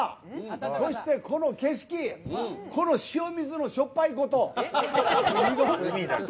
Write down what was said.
そしてこの景色この塩水のしょっぱいこと。